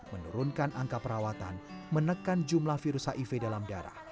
menurunkan angka perawatan menekan jumlah virus hiv dalam darah